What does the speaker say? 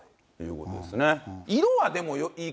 色はでもいい。